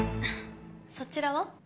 そちらは？